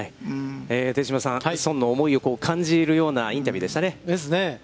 手嶋さん、宋の思いを感じるようなインタビューでしたね。ですね。